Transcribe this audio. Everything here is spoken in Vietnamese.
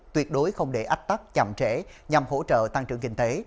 tuyệt đối không để ách tắc chậm trễ nhằm hỗ trợ tăng trưởng kinh tế